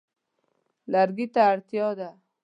لرګي ته اړتیا ده.